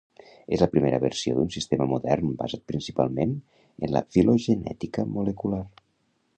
És la primera versió d'un sistema modern basat principalment en la filogenètica molecular.